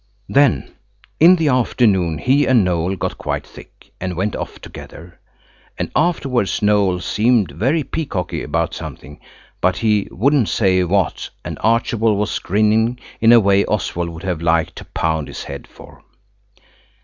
Then in the afternoon he and Noël got quite thick, and went off together. And afterwards Noël seemed very peacocky about something, but he would not say what, and Archibald was grinning in a way Oswald would have liked to pound his head for.